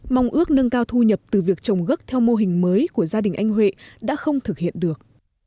mong ước nâng cao thu nhập từ việc trồng gốc theo mô hình mới của gia đình anh huệ đã không thực hiện được